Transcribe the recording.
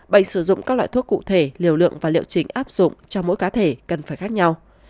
bày sử dụng các loại thuốc cụ thể liều lượng và liệu chính áp dụng cho mỗi cá thể cần phải khác nhau